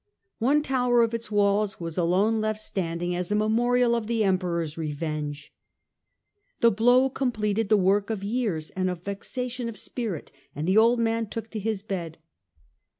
One tower of its walls was alone left standing as a memorial of the Emperor's revenge. The blow completed the work of years and of vexation of spirit, and the old man took to his bed.